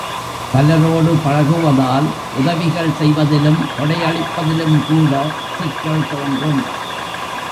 பலரோடு பழகுவதால் உதவிகள் செய்வதிலும் கொடையளிப்பதிலும்கூட சிக்கல் தோன்றும்.